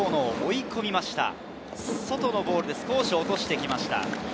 外のボールで少し落としてきました。